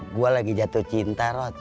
gue lagi jatuh cinta rod